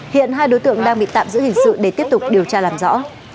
hiện hai đối tượng đang bị tạm giữ hình sự để tiếp tục điều tra làm rõ